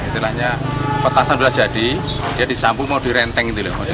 itu hanya petasan sudah jadi dia disampung mau direnteng gitu loh